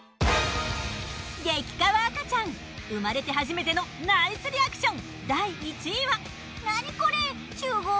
激カワ赤ちゃん生まれて初めてのナイスリアクション。